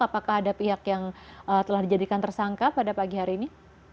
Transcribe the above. apakah ada pihak yang telah dijadikan tersangka pada pagi hari ini